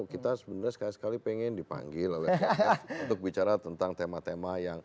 kita sebenarnya sekali sekali pengen dipanggil oleh dpr untuk bicara tentang tema tema yang